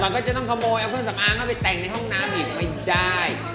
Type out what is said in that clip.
มันก็จะต้องขโมยเอาเครื่องสำอางเข้าไปแต่งในห้องน้ำอีกไม่ได้